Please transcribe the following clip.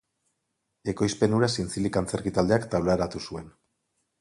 Ekoizpen hura Zintzilik antzerki taldeak taularatu zuen.